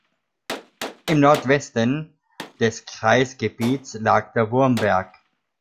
Im Nordwesten des Kreisgebiets lag der Wurmberg.